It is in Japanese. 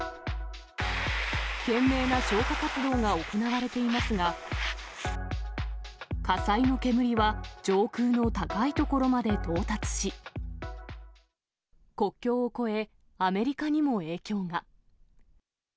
懸命な消火活動が行われていますが、火災の煙は上空の高い所まで到達し、国境を越え、アメリカにも影響が。